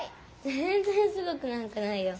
ぜんぜんすごくなんかないよ。